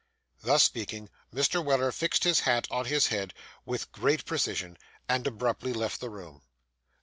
Thus speaking, Mr. Weller fixed his hat on his head with great precision, and abruptly left the room.